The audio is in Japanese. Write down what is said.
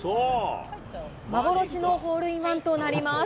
幻のホールインワンとなります。